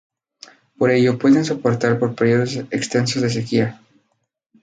Por ello pueden soportar por periodos extensos de sequía.